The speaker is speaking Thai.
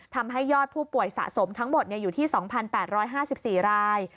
ทำให้ยอดผู้ป่วยสะสมทั้งหมดอยู่ที่๒๘๕๔ราย